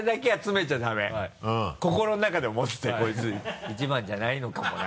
心の中で思ってて「こいつ一番じゃないのかもな？」